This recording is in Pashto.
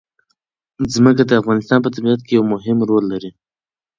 ځمکه د افغانستان په طبیعت کې یو مهم رول لري.